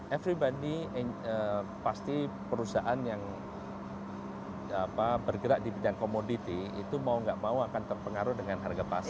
everybody pasti perusahaan yang bergerak di bidang komoditi itu mau gak mau akan terpengaruh dengan harga pasar